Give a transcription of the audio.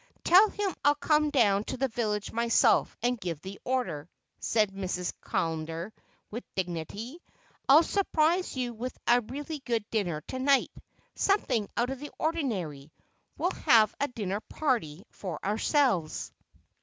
"Tell him I'll come down to the village myself and give the order," said Mrs. Callender with dignity. "I'll surprise you with a really good dinner to night, something out of the ordinary. We'll have a dinner party for ourselves."